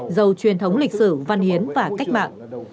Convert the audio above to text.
giàu truyền thống lịch sử văn hiến và cách mạng